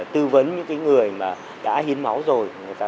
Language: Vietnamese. tư vấn những người mà đã hiến máu rồi